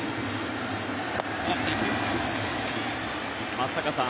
松坂さん